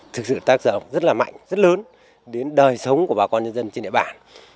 thực sự tác động rất là mạnh rất lớn đến đời sống của bà con nhân dân trên địa bàn